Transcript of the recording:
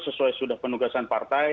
sesuai sudah penugasan partai